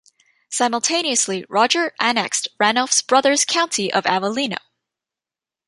Simultaneously, Roger annexed Ranulf's brother's County of Avellino.